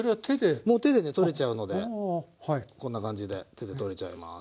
もう手でね取れちゃうのでこんな感じで手で取れちゃいます。